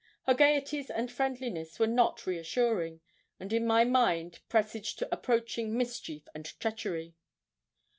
Her gaieties and friendliness were not reassuring, and in my mind presaged approaching mischief and treachery.